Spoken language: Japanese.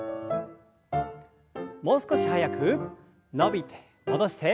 もう少し速く伸びて戻して。